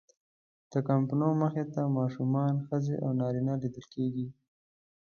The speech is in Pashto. د کمپونو مخې ته ماشومان، ښځې او نارینه لیدل کېږي.